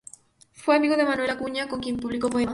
Fue amigo de Manuel Acuña, con quien publicó poemas.